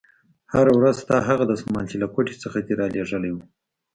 هره ورځ ستا هغه دسمال چې له کوټې څخه دې رالېږلى و.